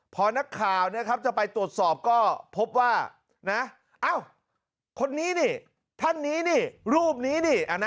พอนักข่าวจะไปตรวจสอบก็พบว่านะคนนี้นี่ท่านนี้นี่รูปนี้นี่